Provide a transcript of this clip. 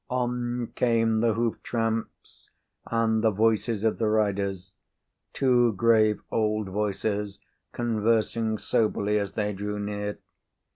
On came the hoof tramps and the voices of the riders, two grave old voices, conversing soberly as they drew near.